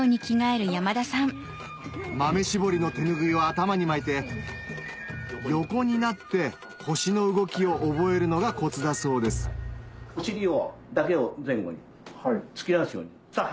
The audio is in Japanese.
豆絞りの手ぬぐいを頭に巻いて横になって腰の動きを覚えるのがコツだそうですそれ腹。